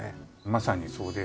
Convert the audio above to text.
まさにそうで。